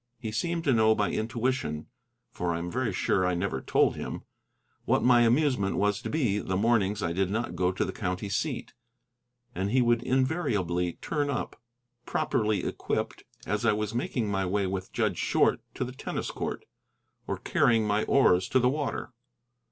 He seemed to know by intuition for I am very sure I never told him what my amusement was to be the mornings I did not go to the county seat, and he would invariably turn up, properly equipped, as I was making my way with judge Short to the tennis court, or carrying my oars to the water.